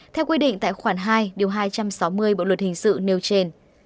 theo quy định tại khoản hai điều hai trăm sáu mươi bộ luật hình sự nêu trên